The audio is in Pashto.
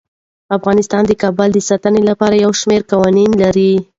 افغانستان د کابل د ساتنې لپاره یو شمیر قوانین لري.